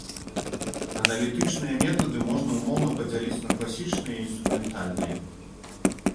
Аналітычныя метады можна ўмоўна падзяліць на класічныя і інструментальныя.